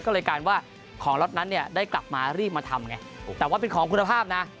ก็เลยกลายว่าของล็อตนั้นเนี่ยได้กลับมารีบมาทำไงแต่ว่าเป็นของคุณภาพนะ